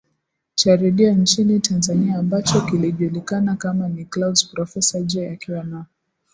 cha redio nchini Tanzania ambacho kilijulikana kama ni Clouds Profesa Jay akiwa na